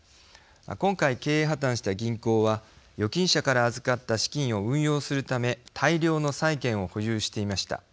今回経営破綻した銀行は預金者から預かった資金を運用するため大量の債券を保有していました。